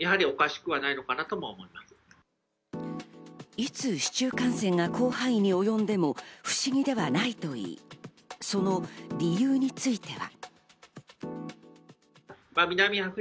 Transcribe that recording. いつ市中感染が広範囲におよんでも不思議ではないといい、その理由については。